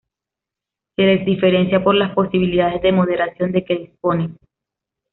Se les diferencia por las posibilidades de moderación de que disponen.